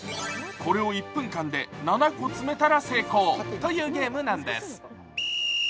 これを１分間で７個詰めたら成功というゲームなんです。